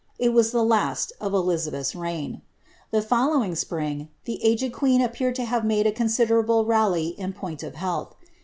It was the last of Elizabeth's reign. The fol lowing spring, the aged queen appeared to have made a considerable rally in point of health.